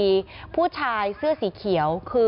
กระทั่งตำรวจก็มาด้วยนะคะ